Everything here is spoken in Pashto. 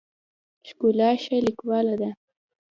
ښکلا ښه لیکواله ده.